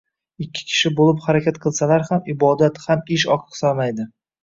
Ikki kishi bo'lib harakat qilsalar ham ibodat, ham ish oqsamaydi.